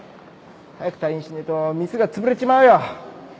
早く退院しねえと店が潰れちまうよ。